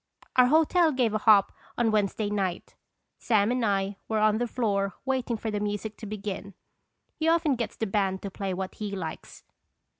Our hotel gave a hop on Wednesday night. Sam and I were on the floor waiting for the music to begin. He often gets the band to play what he likes.